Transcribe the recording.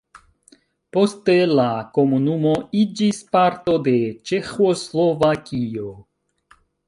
Poste la komunumo iĝis parto de Ĉeĥoslovakio.